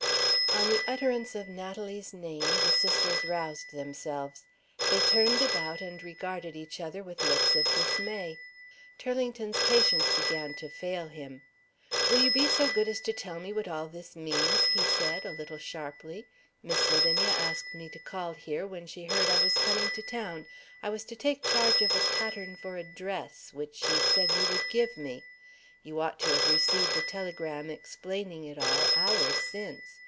On the utterance of Natalie's name, the sisters roused themselves. They turned about and regarded each other with looks of dismay. Turlington's patience began to fail him. "Will you be so good as to tell me what all this means?" he said, a little sharply. "Miss Lavinia asked me to call here when she heard I was coming to town. I was to take charge of a pattern for a dress, which she said you would give me. You ought to have received a telegram explaining it all, hours since.